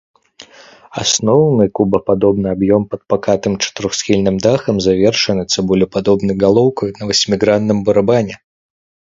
Асноўны кубападобны аб'ём пад пакатым чатырохсхільным дахам завершаны цыбулепадобнай галоўкай на васьмігранным барабане.